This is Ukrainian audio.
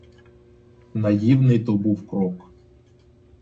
Наївний то був крок.